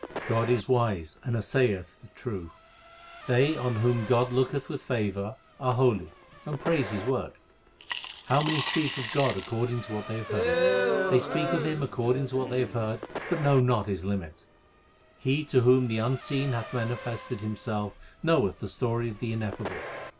God is wise and assayeth the true. They on whom God looketh with favour are holy and praise His word. How many speak of God according to what they have heard ! They speak of Him according to what they have heard, but know not His limit. He to whom the Unseen hath manifested Himself knoweth the story of the Ineffable.